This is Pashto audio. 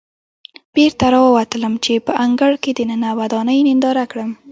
بېرته راووتلم چې په انګړ کې دننه ودانۍ ننداره کړم.